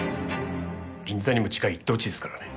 銀座にも近い一等地ですからね。